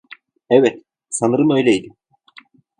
Evet, sanırım öyleydi.